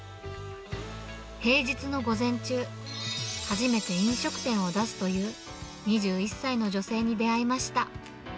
平日の午前中、初めて飲食店を出すという、２１歳の女性に出会いました。